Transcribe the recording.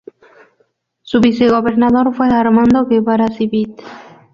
Su vicegobernador fue Armando Guevara Civit.